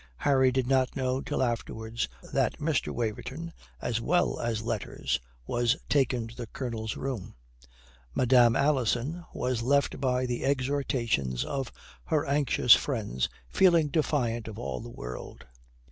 Harry did not know till afterwards that Mr. Waverton, as well as letters, was taken to the Colonel's room. Madame Alison was left by the exhortations of her anxious friends feeling defiant of all the world.